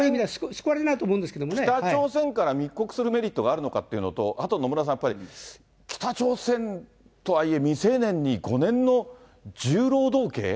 これ、北朝鮮から密告するメリットがあるのかっていうのと、あと野村さん、やっぱり北朝鮮とはいえ、未成年に５年の重労働刑？